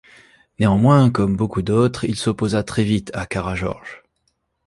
Néanmoins, comme beaucoup d’autres, il s’opposa très vite à Karageorges.